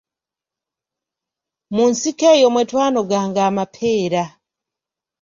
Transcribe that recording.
Mu nsiko eyo mwe twanoganga amapeera.